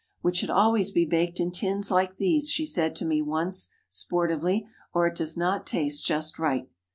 "Which should always be baked in tins like these," she said to me once, sportively, "or it does not taste just right."